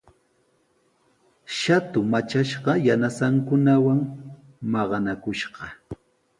Shatu matrashqa yanasankunawan maqanakushqa.